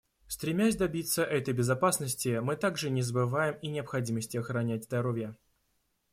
Стремясь добиться этой безопасности, мы также не забываем и о необходимости охранять здоровья.